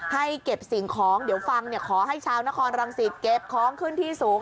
ให้เก็บสิ่งของเดี๋ยวฟังขอให้ชาวนครรังสิตเก็บของขึ้นที่สูง